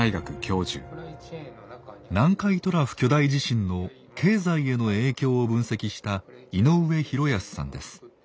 南海トラフ巨大地震の経済への影響を分析した井上寛康さんです。